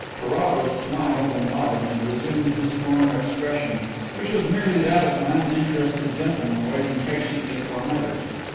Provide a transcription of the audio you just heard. Carrados smiled and nodded and resumed his former expression, which was merely that of an uninterested gentleman waiting patiently for another.